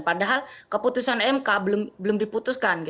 padahal keputusan mk belum diputuskan